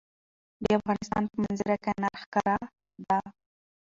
د افغانستان په منظره کې انار ښکاره ده.